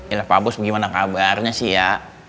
iya lah pak bos gimana kabarnya sih ya